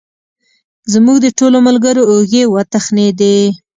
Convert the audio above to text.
زموږ د ټولو ملګرو اوږې وتخنېدې.